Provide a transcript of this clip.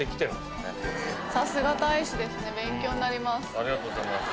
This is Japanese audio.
ありがとうございます。